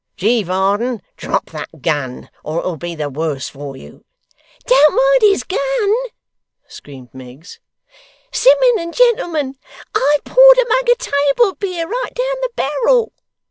G. Varden, drop that gun, or it will be worse for you.' 'Don't mind his gun,' screamed Miggs. 'Simmun and gentlemen, I poured a mug of table beer right down the barrel.